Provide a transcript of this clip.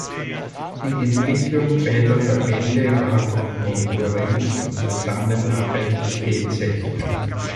Die Entwicklung beider Verbände war von Konkurrenz und Zusammenarbeit gekennzeichnet.